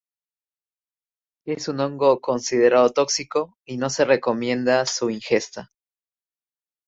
Es un hongo considerado tóxico y no se recomienda su ingesta.